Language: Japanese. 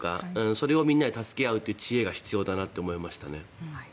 それをみんなで助け合うという知恵が必要だと思いました。